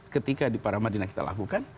ketika di para madinah kita lakukan